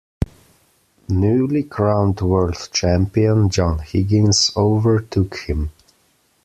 Newly crowned world champion John Higgins overtook him.